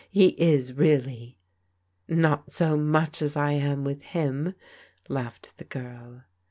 He is really." " Not so much as I am with him," laughed the girl.